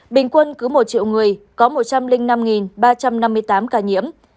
bình quân cứ một triệu người có một trăm linh năm ba trăm năm mươi tám ca nhiễm